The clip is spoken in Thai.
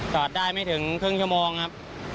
จอดได้ไม่ถึงครึ่งชั่วโมงครับ